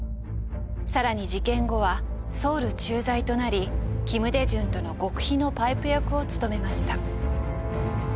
更に事件後はソウル駐在となり金大中との極秘のパイプ役を務めました。